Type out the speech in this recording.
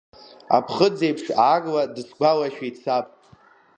Аԥхыӡ еиԥш аарла даасгәалашәеит саб.